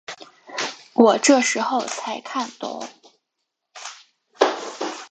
我这时候才看懂